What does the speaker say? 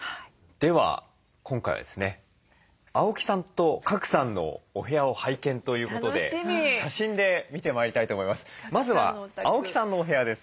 では今回はですね青木さんと賀来さんのお部屋を拝見ということで写真で見てまいりたいと思います。